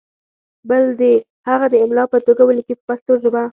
بل دې هغه د املا په توګه ولیکي په پښتو ژبه.